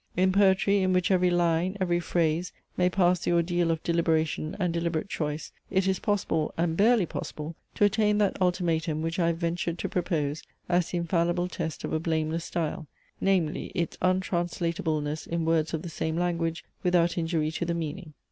In poetry, in which every line, every phrase, may pass the ordeal of deliberation and deliberate choice, it is possible, and barely possible, to attain that ultimatum which I have ventured to propose as the infallible test of a blameless style; namely: its untranslatableness in words of the same language without injury to the meaning.